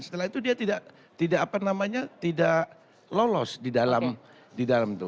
setelah itu dia tidak lolos di dalam itu